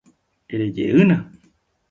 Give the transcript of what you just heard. Erejeýna